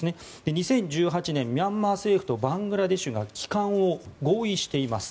２０１８年、ミャンマー政府とバングラデシュが帰還を合意しています。